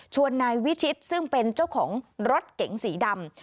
นายวิชิตซึ่งเป็นเจ้าของรถเก๋งสีดำ